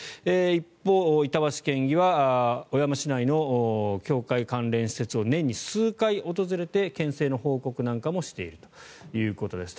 一方、板橋県議は小山市内の教会関連施設を年に数回訪れて県政の報告なんかもしているということです。